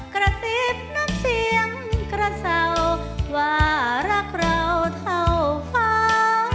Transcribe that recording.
กระซิบนับเสียงกระเศร้าว่ารักเราเท่าฟ้า